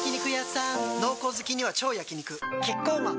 濃厚好きには超焼肉キッコーマン